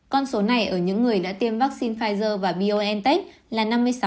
con số này ở những người đã tiêm vaccine pfizer và biontech là năm mươi sáu chín